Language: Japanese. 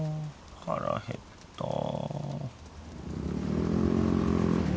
腹減ったぁ